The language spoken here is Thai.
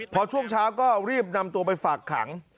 พอช่วงเช้าก็รีบนำตัวไปฝากขัง